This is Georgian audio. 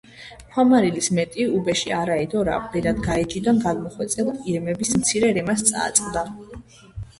ქვამარილის მეტი უბეში არა ედო რა. ბედად, გარეჯიდან გადმოხვეწილ ირმების მცირე რემას წააწყდა.